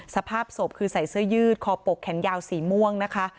สภาพศพคือใส่เสื้อยืดคอปกแขนยาวสีม่วงนะคะ